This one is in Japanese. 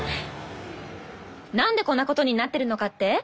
なんでこんなことになってるのかって？